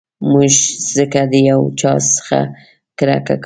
موږ ځکه د یو چا څخه کرکه کوو.